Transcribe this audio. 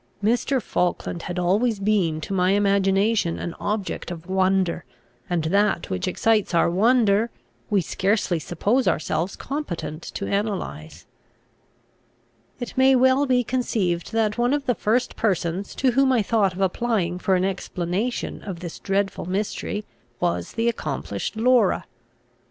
Mr. Falkland had always been to my imagination an object of wonder, and that which excites our wonder we scarcely suppose ourselves competent to analyse. It may well be conceived, that one of the first persons to whom I thought of applying for an explanation of this dreadful mystery was the accomplished Laura.